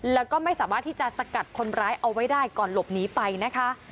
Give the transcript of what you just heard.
แล้วก็ไม่สามารถที่จะสกัดคนร้ายเอาไว้ได้ก่อนหลบหนีไปนะคะ